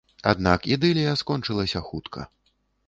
Аднак ідылія скончылася хутка.